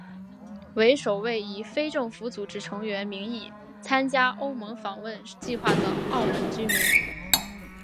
为首位以非政府组织成员名义参加欧盟访问计划的澳门居民。